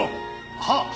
はっ！